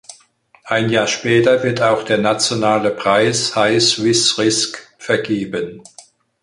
Ein Jahr später wird auch der nationale Preis „High Swiss Risk“ vergeben.